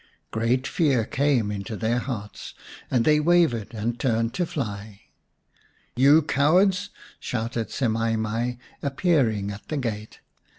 Great fear came into their hearts, and they wavered and turned to fly. " You cowards !" shouted Semai mai, appearing at the gate.